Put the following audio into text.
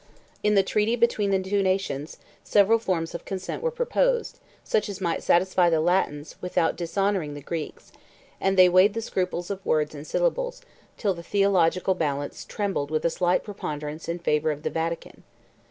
69 In the treaty between the two nations, several forms of consent were proposed, such as might satisfy the Latins, without dishonoring the Greeks; and they weighed the scruples of words and syllables, till the theological balance trembled with a slight preponderance in favor of the Vatican.